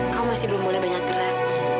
kau masih belum boleh banyak gerak